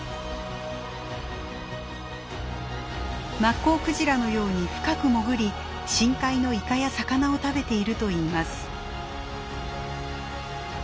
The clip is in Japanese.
マッコウクジラのように深く潜り深海のイカや魚を食べているといいます。